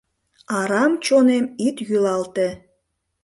Арам чонем ит йӱлалте.